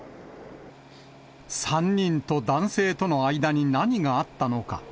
３人と男性との間に何があったのか。